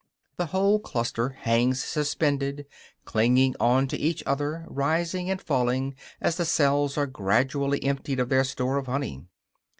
The whole cluster hangs suspended, clinging on to each other; rising and falling as the cells are gradually emptied of their store of honey.